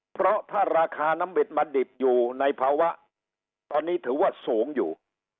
เพราะถ้าราคาน้ำบิดมาดิบอยู่ในภาวะตอนนี้ถือว่าสูงอยู่